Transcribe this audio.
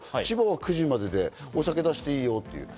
千葉は９時までで、お酒出していいよって。